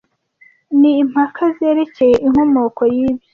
ni impaka zerekeye inkomoko y'ibyo